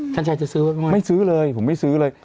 ชันชายจะซื้อหรือเปล่าไม่ซื้อเลยผมไม่ซื้อเลย